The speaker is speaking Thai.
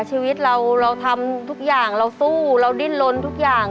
ชีวิตเราเราทำทุกอย่างเราสู้เราดิ้นลนทุกอย่าง